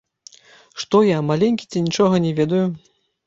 Што я, маленькі ці нічога не ведаю?